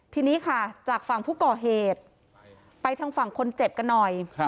ทีนี้ค่ะจากฝั่งผู้ก่อเหตุไปทางฝั่งคนเจ็บกันหน่อย